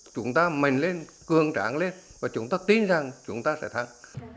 chúng ta mềm lên cường trảng lên và chúng ta tin rằng chúng ta sẽ thắng